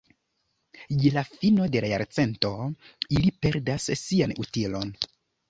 Je la fino de la jarcento ili perdas sian utilon.